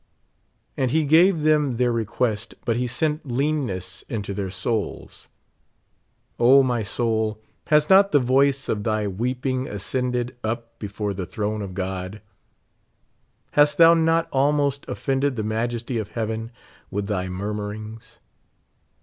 " And he gave them their request, but he sent leauness into their souls." O, m}^ soul, has not the voice of thy weeping ascended up before the throne of God ? Hast thou not almost offended the majesty of heaven with thy murmurings